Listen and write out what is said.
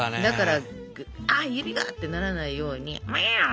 だから「あ指が！」ってならないように。